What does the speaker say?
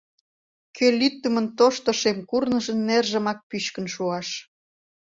Кӧ лӱддымын тошто Шем курныжын нержымак пӱчкын шуаш?